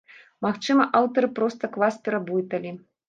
Магчыма, аўтары проста клас пераблыталі.